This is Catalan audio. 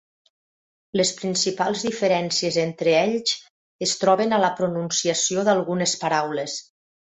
Les principals diferències entre ells es troben a la pronunciació d'algunes paraules.